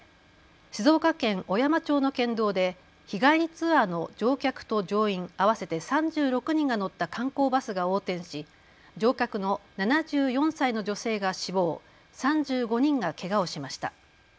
静岡県小山町の県道で日帰りツアーの乗客と乗員合わせて３６人が乗った観光バスが横転し乗客の７４歳の女性が死亡、３５人がけがをしました。